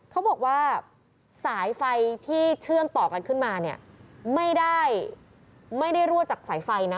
เขาบอกว่าสายไฟที่เชื่อมต่อกันขึ้นมาเนี่ยไม่ได้ไม่ได้รั่วจากสายไฟนะ